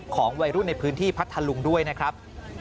วัยรุ่นในพื้นที่พัทธลุงด้วยนะครับ